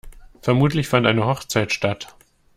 Vermutlich fand eine Hochzeit statt.